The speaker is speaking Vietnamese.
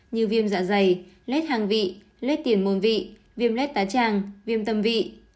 như viêm dạ dày lết hàng vị lết tiền môn vị viêm lết tá tràng viêm tâm vị